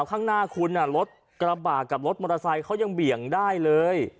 ข้างหน้าคุณรถกระบะกับรถมอเตอร์ไซค์เขายังเบี่ยงได้เลย